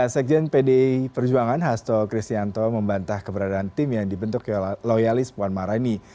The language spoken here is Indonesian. sekjen pdi perjuangan hasto kristianto membantah keberadaan tim yang dibentuk loyalis puan maharani